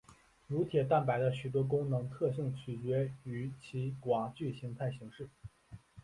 乳铁蛋白的许多功能特性取决于其寡聚态形式。